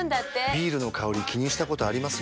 ビールの香り気にしたことあります？